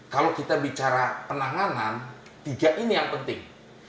kalau kita bicara penanganan tiga ini yang penting